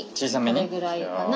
これぐらいかな。